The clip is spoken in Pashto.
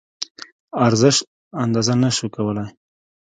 ارزش اندازه نه کولی شو.